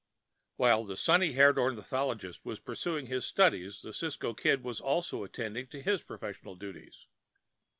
While the sunny haired ornithologist was pursuing his studies the Cisco Kid was also attending to his professional duties.